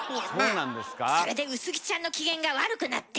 それで薄木ちゃんの機嫌が悪くなって。